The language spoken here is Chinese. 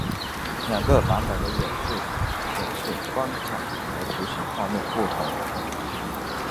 两个版本的演示显示关卡和图形画面不同。